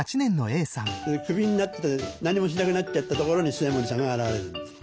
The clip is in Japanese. クビになって何もしなくなっちゃったところに末盛さんが現れるんです。